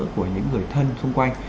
của những người thân xung quanh